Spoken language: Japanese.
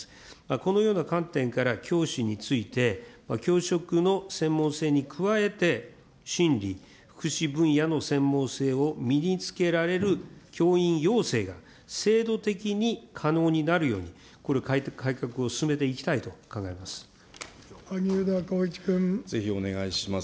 このような観点から教師について、教職の専門性に加えて心理、福祉分野の専門性を身に着けられる教員養成が、制度的に可能になるように、これ、改革を進めていきたいと考えます。